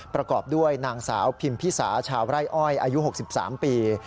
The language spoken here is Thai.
ประกอบด้วยนางสาวพิมพิสาชาวไร่อ้อยอายุ๖๓ปี